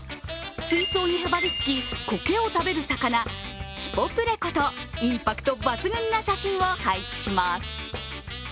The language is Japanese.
水槽にへばりつきこけを食べる魚、ヒポプレコとインパクト抜群な写真を配置します。